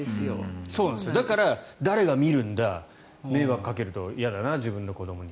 だから誰が見るんだ迷惑をかけると嫌だな自分の子どもに。